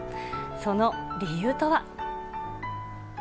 その理由とは。